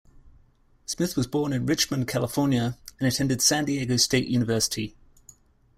Smith was born in Richmond, California, and attended San Diego State University.